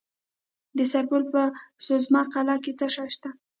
د سرپل په سوزمه قلعه کې څه شی شته؟